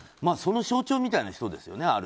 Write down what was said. その象徴みたいな人ですよね